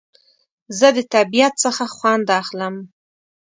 زه د طبیعت څخه خوند اخلم